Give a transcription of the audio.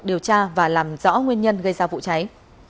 điều tra và làm rõ nguyên nhân gây ra vụ cháy